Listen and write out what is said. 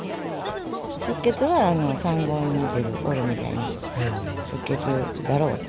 出血は産後に出る悪露みたいな出血だろうと。